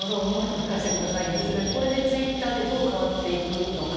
３つ目、これでツイッターがどう変わっていくのか。